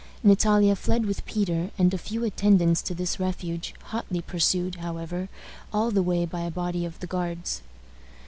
Natalia fled with Peter and a few attendants to this refuge, hotly pursued, however, all the way by a body of the Guards.